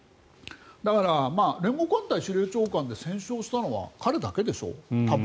だから連合艦隊司令長官で戦死をしたのは彼だけでしょう、多分。